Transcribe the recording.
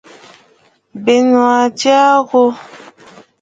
Bɨ nuʼu aa ǹjyâ ŋ̀gwò.